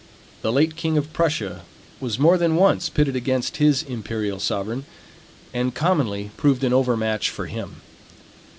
The late king of Prussia was more than once pitted against his imperial sovereign; and commonly proved an overmatch for him.